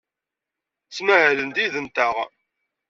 Ttmahalent yid-nteɣ.